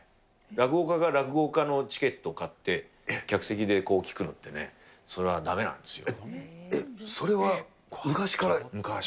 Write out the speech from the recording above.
落語家が落語家のチケット買って、客席で聞くのってね、それはだめえっ、昔から。